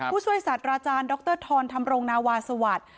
ผู้ช่วยศาสตราจารย์ดรธรธรรมรงนาวาสวัสดิ์